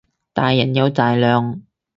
大人有大量